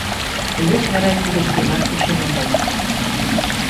Тылеч вара кидышкемат кучен омыл.